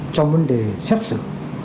trong vấn đề xét xử